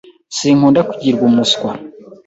Sinkunda kugirwa umuswa.